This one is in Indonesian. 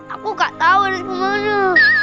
aku gak tau harus kemana